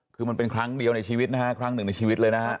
คือมันเป็นครั้งเดียวในชีวิตนะฮะครั้งหนึ่งในชีวิตเลยนะฮะ